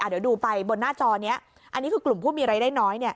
เดี๋ยวดูไปบนหน้าจอนี้อันนี้คือกลุ่มผู้มีรายได้น้อย